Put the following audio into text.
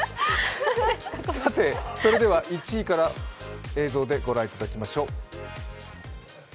それでは１位から映像でご覧いただきましょう。